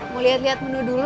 mau lihat lihat menu dulu